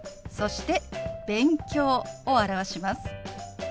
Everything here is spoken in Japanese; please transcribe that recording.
そして「勉強」を表します。